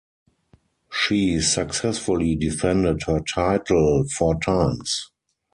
She successfully defended her title four times.